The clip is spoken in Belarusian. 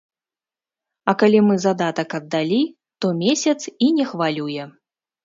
А калі мы задатак аддалі, то месяц, і не хвалюе.